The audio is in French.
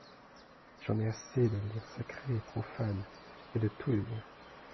J'en ai assez, des liens sacrés, et profanes, et de tous les liens.